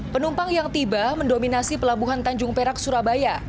penumpang yang tiba mendominasi pelabuhan tanjung perak surabaya